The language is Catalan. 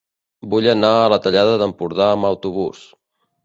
Vull anar a la Tallada d'Empordà amb autobús.